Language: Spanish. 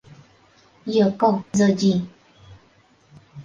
Yoko Shoji